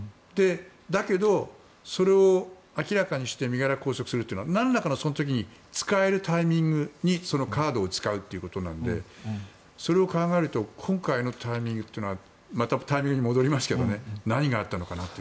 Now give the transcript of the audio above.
だけどそれを明らかにして身柄を拘束するというのは何らかの使えるタイミングにそのカードを使うということなのでそれを考えると今回のタイミングというのはまたタイミングに戻りますが何があったのかなと。